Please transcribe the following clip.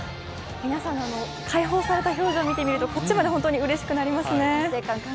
皆さんの解放された顔を見ていると、こちらまでうれしくなりますね。